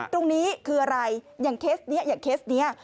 ตรงนี้คืออะไรอย่างเคสนี้อย่างเคสนี้